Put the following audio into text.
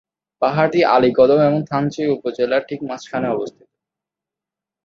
পাহাড়টি আলীকদম এবং থানচি উপজেলার ঠিক মাঝখানে অবস্থিত।